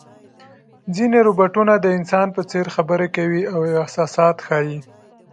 ځینې روباټونه د انسان په څېر خبرې کوي او احساسات ښيي.